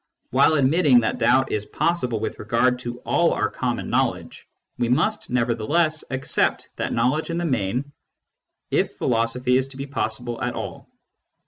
While admitting that doubt is possible with regard to all our common knowledge, we must nevertheless accept that knowledge in the main if philosophy is to be possible at all.